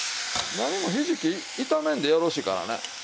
何もひじき炒めんでよろしいからね。